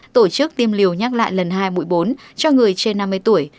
tổ chức tiêm liều nhắc lại lần hai mũi cho người trên năm mươi tuổi